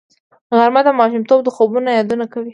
غرمه د ماشومتوب د خوبونو یادونه کوي